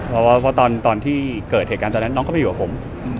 เพราะว่าตอนที่เกิดเหตุการณ์ตอนนั้นน้องก็ไปอยู่กับผม